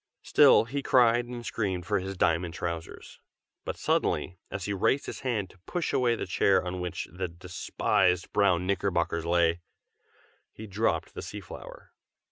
Still he cried and screamed for his diamond trousers; but suddenly, as he raised his hand to push away the chair on which the despised brown knickerbockers lay, he dropped the sea flower!